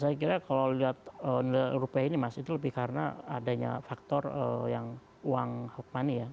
saya kira kalau lihat nilai rupiah ini mas itu lebih karena adanya faktor yang uang huk money ya